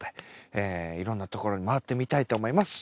えいろんなところに回ってみたいと思います。